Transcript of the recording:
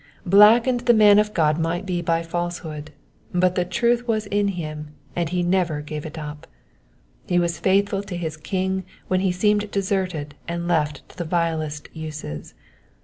Blackened the man of God might be by falsehood, but the truth was in him, and he never gave it up. He was faithful to^his King when he seemed deserted and left to the vilest uses.